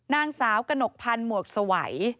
นางสาวกนกพรรณหมวกสวัย